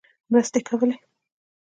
مرستې کولې.